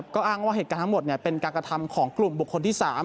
ก็อ้างว่าเหตุการณ์ทั้งหมดเป็นการกระทำของกลุ่มบุคคลที่๓